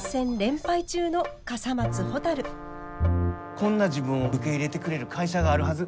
こんな自分を受け入れてくれる会社があるはず